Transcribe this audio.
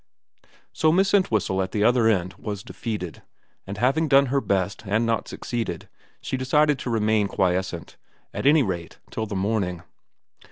So Miss Entwhistle at the other end was defeated, and having done her best and not succeeded she decided to remain quiescent, at any rate till the morning.